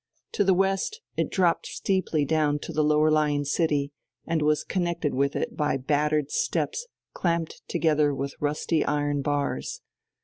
To the west it dropped steeply down to the lower lying city, and was connected with it by battered steps clamped together with rusty iron bars.